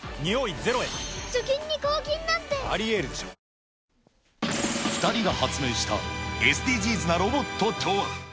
ヒントは、２人が発明したＳＤＧｓなロボットとは。